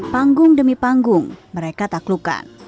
panggung demi panggung mereka tak lukan